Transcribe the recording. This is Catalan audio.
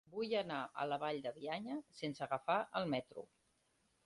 Vull anar a la Vall de Bianya sense agafar el metro.